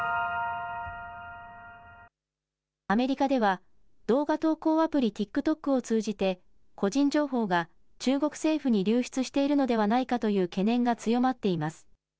アメリカでは動画投稿アプリ、ＴｉｋＴｏｋを通じて個人情報が中国政府に流出しているのではないかという懸念が強まっています。